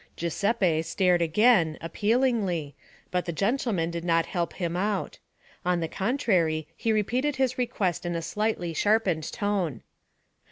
Giuseppe stared again, appealingly, but the gentleman did not help him out; on the contrary he repeated his request in a slightly sharpened tone.